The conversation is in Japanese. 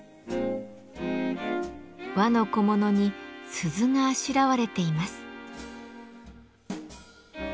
和の小物に鈴があしらわれています。